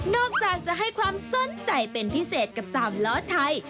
จากจะให้ความสนใจเป็นพิเศษกับ๓ล้อไทย